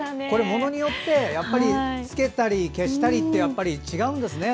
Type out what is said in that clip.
ものによってつけたり消したりって違うんですね。